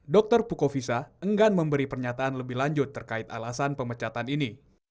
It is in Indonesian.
dr pukovisa enggan memberi pernyataan lebih lanjut terkait alasan pemecatan ini